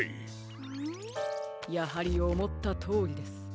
やはりおもったとおりです。